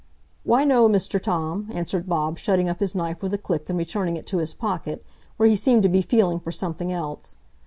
"Why, no, Mr Tom," answered Bob, shutting up his knife with a click and returning it to his pocket, where he seemed to be feeling for something else.